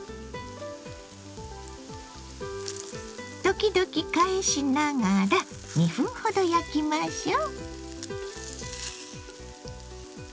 時々返しながら２分ほど焼きましょう。